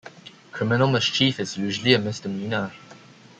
Criminal mischief is usually a misdemeanor.